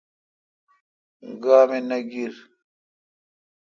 گا می نہ گیرا۔